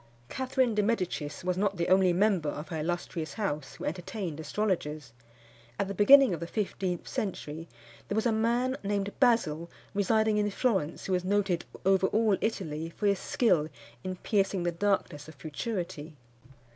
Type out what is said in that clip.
Catherine di Medicis was not the only member of her illustrious house who entertained astrologers. At the beginning of the fifteenth century there was a man, named Basil, residing in Florence, who was noted over all Italy for his skill in piercing the darkness of futurity.